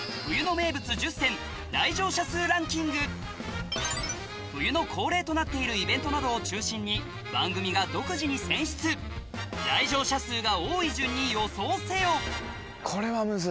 続いては冬の恒例となっているイベントなどを中心に番組が独自に選出来場者数が多い順に予想せよこれはむずい。